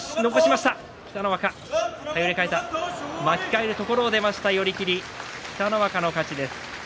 巻き替えるところを出ました、寄り切り北の若の勝ち。